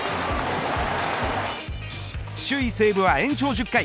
首位西武は延長１０回